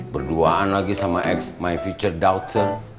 berduaan lagi sama ex my future daughter